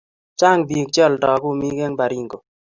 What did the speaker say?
Chang pik che alda kumik en Baringo.